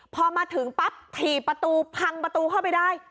พอมาถึงปั๊บถี่ประตูพังประตูเข้าไปได้